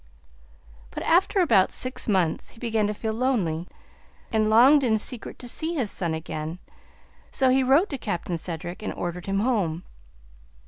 But, after about six months, he began to feel lonely, and longed in secret to see his son again, so he wrote to Captain Cedric and ordered him home.